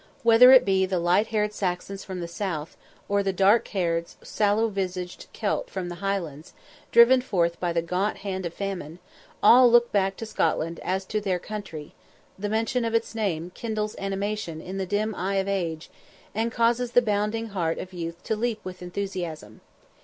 Whether it be the light haired Saxon from the South, or the dark haired, sallow visaged Celt from the Highlands, driven forth by the gaunt hand of famine, all look back to Scotland as to "their country" the mention of its name kindles animation in the dim eye of age, and causes the bounding heart of youth to leap with enthusiasm.